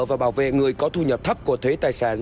và bảo vệ người có thu nhập thấp của thuế tài sản